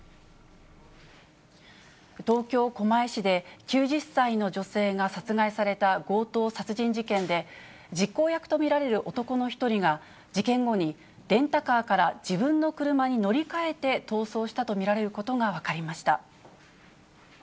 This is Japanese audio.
東京・狛江市で、９０歳の女性が殺害された強盗殺人事件で、実行役と見られる男の１人が、事件後にレンタカーから自分の車に乗り換えて、逃走したと見られることが分かりました。